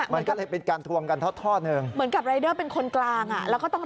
มันก็เลยเป็นการทวงกันทอดหนึ่ง